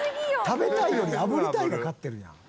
「食べたいより炙りたいが勝ってるやん」